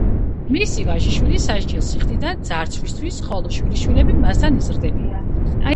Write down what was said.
მისი ვაჟიშვილი სასჯელს იხდის ძარცვისთვის, ხოლო შვილიშვილები მასთან იზრდებიან.